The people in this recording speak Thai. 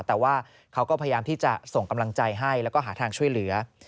แต่ว่าเขาก็พยายามที่จะส่งกำลังใจให้แล้วก็หาทางช่วยเหลือ